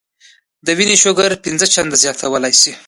د وينې شوګر پنځه چنده زياتولے شي -